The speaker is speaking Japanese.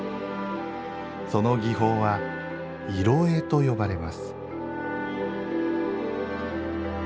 その技法は「色絵」と呼ばれます。